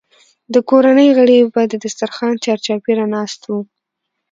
د کورنۍ غړي به د دسترخوان چارچاپېره ناست وو.